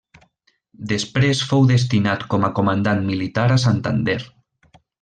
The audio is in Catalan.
Després fou destinat com a comandant militar a Santander.